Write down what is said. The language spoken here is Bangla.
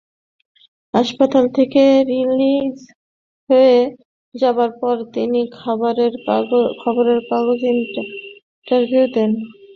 হাসপাতাল থেকে রিলিজড হয়ে যাবার পর তিনি খবরের কাগজে ইন্টারভিউ দেবেন।